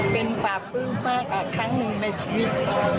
เป็นภาพภูมิมากครั้งหนึ่งในชีวิต